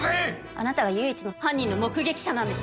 あなたは唯一の犯人の目撃者なんです。